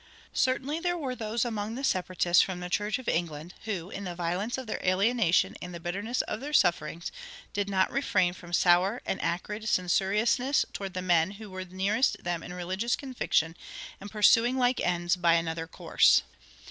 Certainly there were those among the Separatists from the Church of England who, in the violence of their alienation and the bitterness of their sufferings, did not refrain from sour and acrid censoriousness toward the men who were nearest them in religious conviction and pursuing like ends by another course.